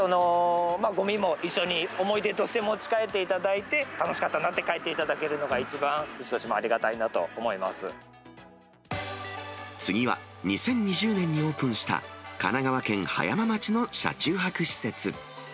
ごみも一緒に思い出として持ち帰っていただいて、楽しかったなって帰っていただけるのが、次は、２０２０年にオープンした、神奈川県葉山町の車中泊施設。